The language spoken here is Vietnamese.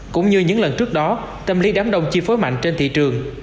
cũng như những lần trước đó tâm lý đám đông chi phối mạnh trên thị trường